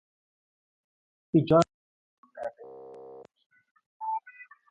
He joined the team at the end of the season.